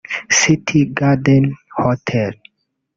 City Garden Hotel